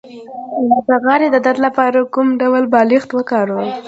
د غاړې د درد لپاره کوم ډول بالښت وکاروم؟